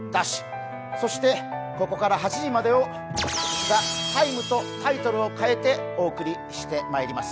そしてここから８時までを「ＴＨＥＴＩＭＥ，」とタイトルを変えてお送りしてまいります。